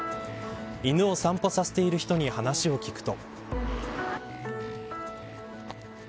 犬を散歩させている人に話を聞くと。